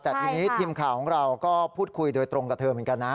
แต่ทีนี้ทีมข่าวของเราก็พูดคุยโดยตรงกับเธอเหมือนกันนะ